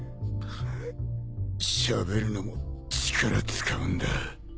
しゃべるのも力使うんだ。